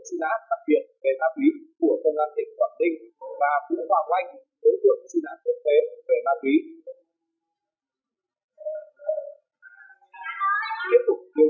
tháng ba khi giao má túy là cờ tiền trụng ảnh vào điện thoại di động